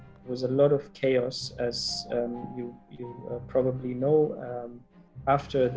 ada banyak kekos seperti yang anda pasti tahu